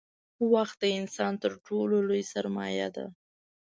• وخت د انسانانو تر ټولو لوی سرمایه دی.